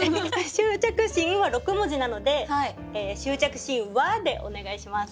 「執着心」は６文字なので「執着心は」でお願いします。